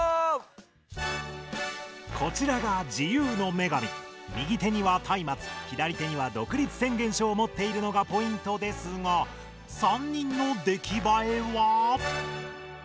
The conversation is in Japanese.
こちらが右手にはたいまつ左手には独立宣言書をもっているのがポイントですが３人のできばえは？